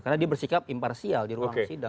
karena dia bersikap imparsial di ruang sidang